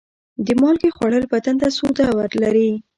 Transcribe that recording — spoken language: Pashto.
د مالګې خوړل بدن ته سوده لري.